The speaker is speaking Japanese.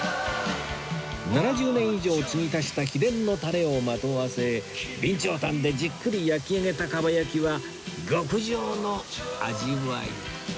７０年以上継ぎ足した秘伝のタレをまとわせ備長炭でじっくり焼き上げた蒲焼きは極上の味わい